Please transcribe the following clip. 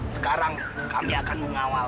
sekarang kami akan mengawal